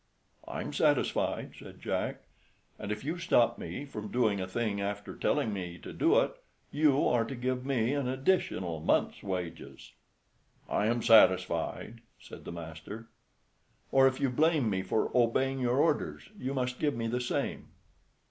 "I'm satisfied," said Jack; "and if you stop me from doing a thing after telling me to do it, you are to give me an additional month's wages." "I am satisfied," said the master. "Or if you blame me for obeying your orders, you must give me the same."